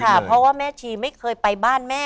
เพราะว่าแม่ชีไม่เคยไปบ้านแม่